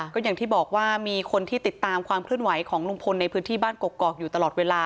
ก็อย่างที่บอกว่ามีคนที่ติดตามความเคลื่อนไหวของลุงพลในพื้นที่บ้านกกอกอยู่ตลอดเวลา